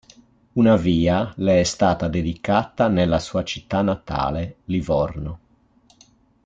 Una via le è stata dedicata nella sua città natale, Livorno.